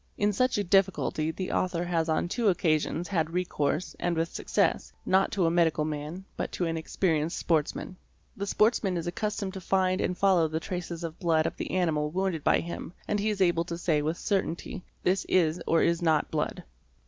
In such a difficulty the author has on two occasions had recourse, and with success, not to a medical man, but to an experienced Sportsman. The sportsman is accustomed to find and follow the traces 'of blood of the animal wounded by him and he is able to say with cer tainty: "this is or is not blood".